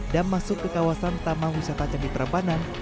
dan masuk ke kawasan taman wisata candi prambanan